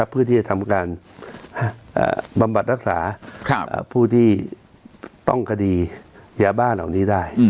เพื่อที่จะทำการบำบัดรักษาผู้ที่ต้องคดียาบ้านเหล่านี้ได้